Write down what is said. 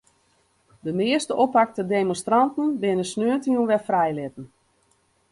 De measte oppakte demonstranten binne saterdeitejûn wer frijlitten.